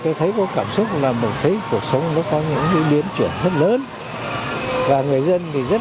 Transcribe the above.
tôi thấy có cảm xúc là mình thấy cuộc sống nó có những cái biến chuyển rất lớn và người dân thì rất